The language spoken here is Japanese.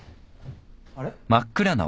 あれ？